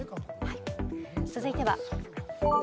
続いては。